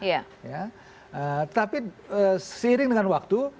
tetapi seiring dengan waktu